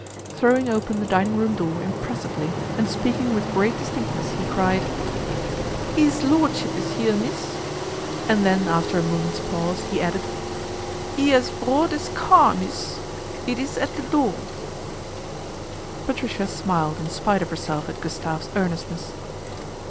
Throwing open the 98 PATRICIA BRENT, SPINSTER dining room door impressively and speaking with great distinctness he cried :" Ees Lordship is 'ere, mees," and then after a moment's pause he added, " 'E 'as brought 'is car, mees It is at the door." Patricia smiled in spite of herself at Gustave's earnestness.